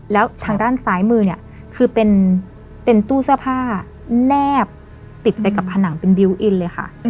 แล้วทางด้านซ้ายมือเนี่ยคือเป็นตู้เสื้อผ้าแนบติดไปกับผนังเป็นบิวตอินเลยค่ะ